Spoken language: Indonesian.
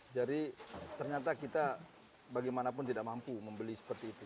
jadi ternyata kita bagaimanapun tidak mampu membeli seperti itu